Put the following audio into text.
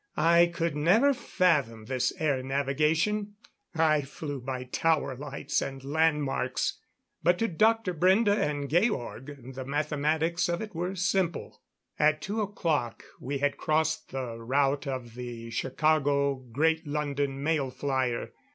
I could never fathom this air navigation; I flew by tower lights, and landmarks but to Dr. Brende and Georg, the mathematics of it were simple. At two o'clock we had crossed the route of the Chicago Great London Mail flyer.